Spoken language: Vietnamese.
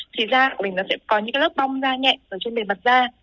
thì da của mình nó sẽ có những cái lớp bong da nhẹ ở trên bề mặt da